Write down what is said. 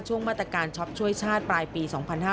มาตรการช็อปช่วยชาติปลายปี๒๕๕๙